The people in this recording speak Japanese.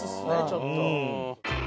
ちょっと。